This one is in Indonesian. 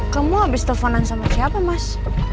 kamu abis teleponan sama siapa mas